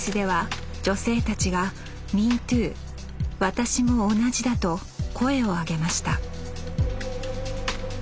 私も同じだと声を上げました